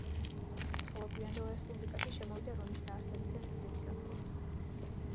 ხოლო გვიანდელ რესპუბლიკაში შემოვიდა რომის დაარსებიდან წლების ათვლა.